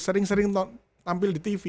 sering sering tampil di tv